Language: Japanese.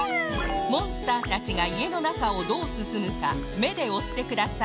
モンスターたちがいえのなかをどうすすむかめでおってください